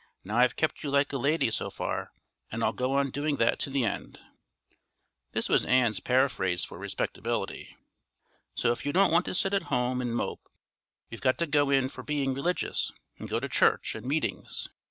Now I've kept you like a lady so far, and I'll go on doing that to the end" (This was Ann's paraphrase for respectability); "so if you don't want to sit at home and mope, we've got to go in for being religious and go to church and meetings.